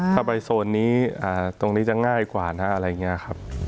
ถ้าไปโซนนี้ตรงนี้จะง่ายกว่านะอะไรอย่างนี้ครับ